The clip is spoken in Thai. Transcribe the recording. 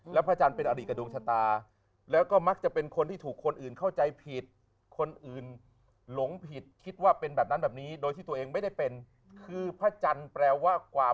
แล้วพระจันทร์เป็นอะไรกับดวงชะตา